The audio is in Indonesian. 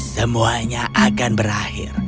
semuanya akan berakhir